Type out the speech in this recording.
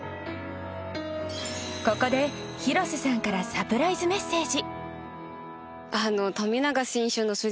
ここで広瀬さんからサプライズメッセージ。